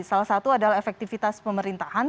salah satu adalah efektivitas pemerintahan